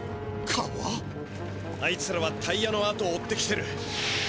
あいつらはタイヤのあとを追ってきてる。